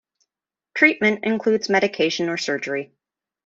Treatment includes medication or surgery.